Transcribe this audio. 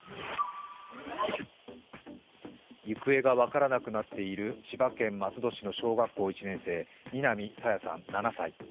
行方が分からなくなっている、千葉県松戸市の小学１年生南朝芽さん７歳。